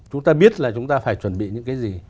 chúng ta biết là chúng ta phải chuẩn bị những cái gì